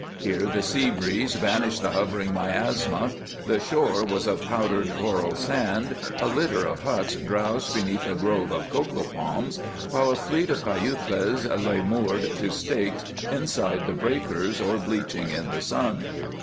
Here the sea breeze banished the hovering miasma, the shore was of powdered coral sand, a litter of huts drowsed beneath a grove of cocoa palms, while a fleet of cayucas lay moored to stakes inside the breakers or bleaching in the sun.